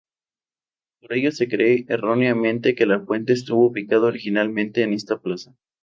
Por ello se cree erróneamente que la fuente estuvo ubicada originalmente en esta plaza.